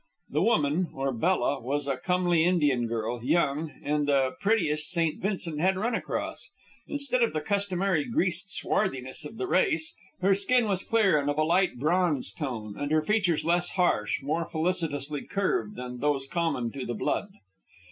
The woman, or Bella, was a comely Indian girl, young, and the prettiest St. Vincent had run across. Instead of the customary greased swarthiness of the race, her skin was clear and of a light bronze tone, and her features less harsh, more felicitously curved, than those common to the blood.